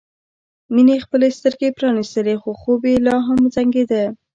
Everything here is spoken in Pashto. مينې خپلې سترګې پرانيستلې خو خوب یې لا هم زنګېده